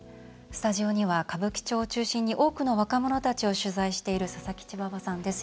スタジオには歌舞伎町を中心に多くの若者たちを取材している佐々木チワワさんです。